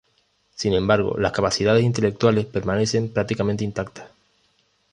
Sin embargo las capacidades intelectuales permanecen prácticamente intactas.